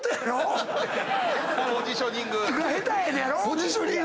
ポジショニング。